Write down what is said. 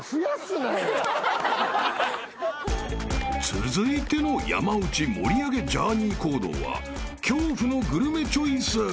［続いての山内盛り上げジャーニー行動は恐怖のグルメチョイス］